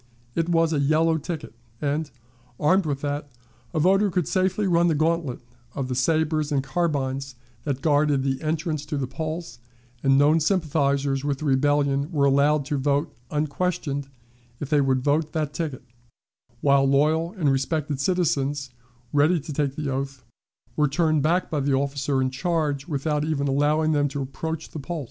It was a yellow ticket, and, armed with that, a voter could safely run the gantlet of the sabers and carbines that guarded the entrance to the polls, and known sympathizers with the rebellion were allowed to vote unquestioned if they would vote that ticket, while loyal and respected citizens, ready to take the oath, were turned back by the officer in charge without even allowing them to approach the polls.